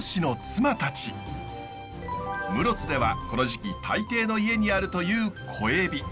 室津ではこの時期大抵の家にあるという小エビ。